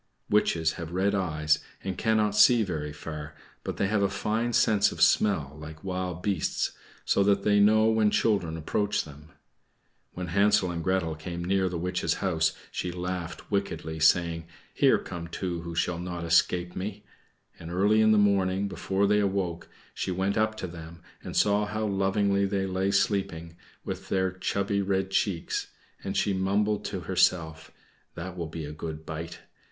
Witches have red eyes and cannot see very far; but they have a fine sense of smell, like wild beasts, so that they know when children approach them. When Hansel and Gretel came near the witch's house she laughed wickedly, saying, "Here come two who shall not escape me." And early in the morning, before they awoke, she went up to them, and saw how lovingly they lay sleeping, with their chubby red cheeks; and she mumbled to herself, "That will be a good bite."